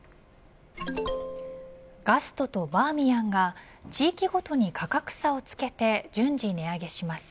ガストとバーミヤンが地域ごとに価格差をつけて順次値上げします。